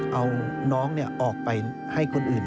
เอาน้องออกไปให้คนอื่น